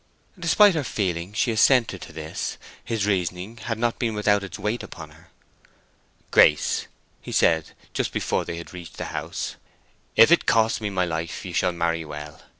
Despite her feeling she assented to this. His reasoning had not been without its weight upon her. "Grace," he said, just before they had reached the house, "if it costs me my life you shall marry well!